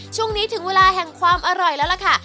ถึงเวลาแห่งความอร่อยแล้วล่ะค่ะ